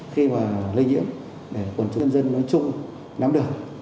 khi lây nhiễm để quần chung dân dân nói chung nắm được